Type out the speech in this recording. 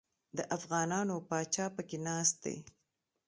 د افغانانو پاچا پکښې ناست دی.